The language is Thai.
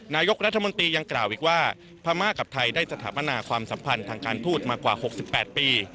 นายกรัฐมนตรียังกล่าวอีกว่าพม่ากับไทยได้สถาปนาความสัมพันธ์ทางการทูตมากว่า๖๘ปี